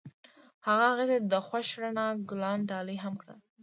هغه هغې ته د خوښ رڼا ګلان ډالۍ هم کړل.